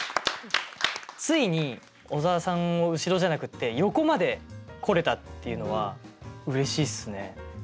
ついに小沢さんを後ろじゃなくって横まで来れたっていうのはうれしいっすね。